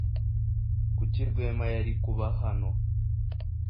Kuki Rwema yari kuba hano?